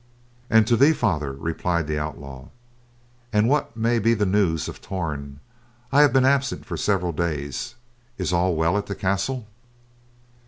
"And to thee, Father," replied the outlaw. "And what may be the news of Torn. I have been absent for several days. Is all well at the castle?"